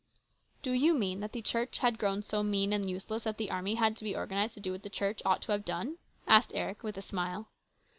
"Do you mean that the Church had grown so mean and useless that the army had to be organised to do what the Church ought to have done ?" asked Eric with a smile.